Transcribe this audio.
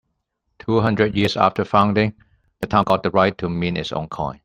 Two hundred years after founding, the town got the right to mint its own coin.